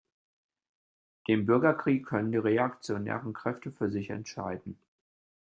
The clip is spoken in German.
Den Bürgerkrieg können die reaktionären Kräfte für sich entscheiden.